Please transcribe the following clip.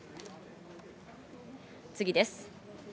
次です。